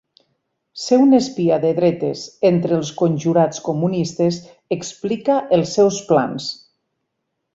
Ser un espia de dretes entre els conjurats comunistes explica els seus plans.